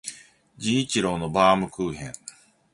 治一郎のバームクーヘン